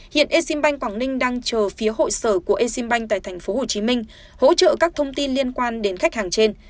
hiện exim bank quảng ninh đang chờ phía hội sở của exim bank tại tp hcm hỗ trợ các thông tin liên quan đến khách hàng trên